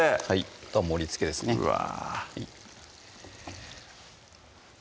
あとは盛りつけですねうわ